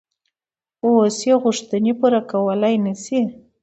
اوس یې غوښتنې پوره کولای نه شي.